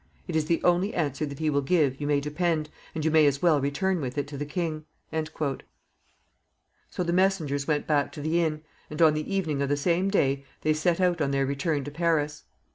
It is the only answer that he will give, you may depend, and you may as well return with it to the king." So the messengers went back to the inn, and on the evening of the same day they set out on their return to Paris.